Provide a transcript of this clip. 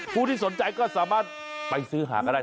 ผู้ที่สนใจก็สามารถไปซื้อหาก็ได้